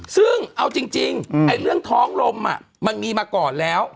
ซึ่งเอาจริงเรื่องท้องลมมันมีมาก่อนแล้ว